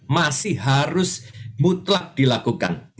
masih harus mutlak dilakukan